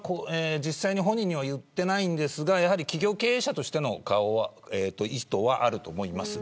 実際に本人は言っていないんですが企業経営者としての顔は意図はあると思います。